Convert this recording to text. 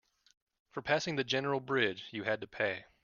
For passing the general bridge, you had to pay.